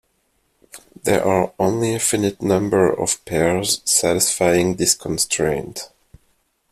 There are only a finite number of pairs satisfying this constraint.